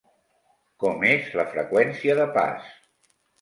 Com és la freqüència de pas?